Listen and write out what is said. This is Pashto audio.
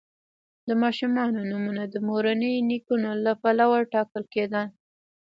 د ماشومانو نومونه د مورني نیکونو له پلوه ټاکل کیدل.